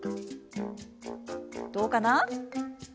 どうかな？